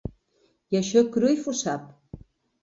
I això Cruyff ho sap.